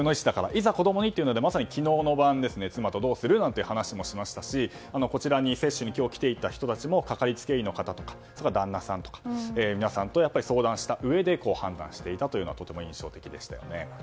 いざ子供にとなると昨日の晩妻とどうするなんていう話もしていましたしこちらに今日来ていた方もかかりつけ医の方とか旦那さんとか皆さんと相談したうえで判断していたというのが印象的でした。